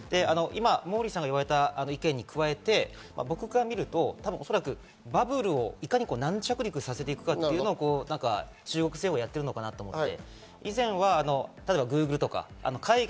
モーリーさんが言われた意見に加えて、僕から見るとバブルをいかに軟着陸させていくか、中国政府がやっているかと思います。